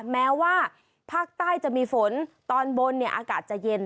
แม้ว่าภาคใต้จะมีฝนตอนบนอากาศจะเย็น